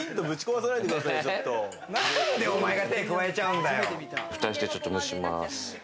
何でおまえが手加えちゃうんだよ。